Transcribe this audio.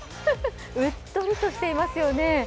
うっとりとしていますよね。